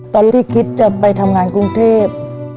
ตอนที่คิดจะไปทำงานกรุงเทพ